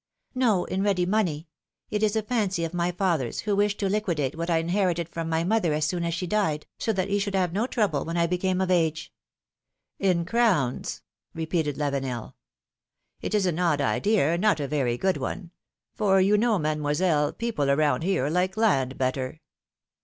No, in ready money. It is a fancy of my father^s, who wished to liquidate what I inherited from my mother as soon as she died, so that he should have no trouble when I became of age." In crowns!" repeated Lavenel. ^^It is an odd idea, and not a very good one ; for you know. Mademoiselle, people around here like land better."